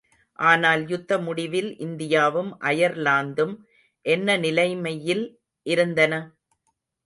ஆனால் யுத்த முடிவில் இந்தியாவும் அயர்லாந்தும் என்ன நிலைமையில் இருந்தன?